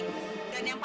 ngga boleh jam bisa